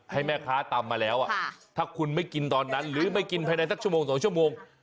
ให้แม่ค้าตำมาแล้วถ้าคุณไม่กินตอนนั้นหรือไม่กินภายในสักชั่วโมง๒ชั่วโมง